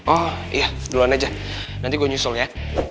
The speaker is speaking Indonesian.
oh iya duluan aja nanti gue nyusul ya